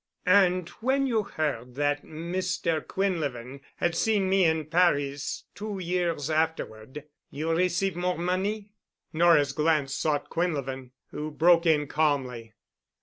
"And when you heard that Mr. Quinlevin had seen me in Paris, two years afterward, you received more money?" Nora's glance sought Quinlevin, who broke in calmly.